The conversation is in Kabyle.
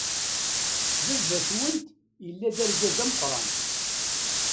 Baba-twent yella d argaz ameqran.